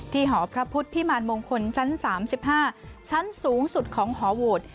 หอพระพุทธพิมารมงคลชั้น๓๕ชั้นสูงสุดของหอโหวต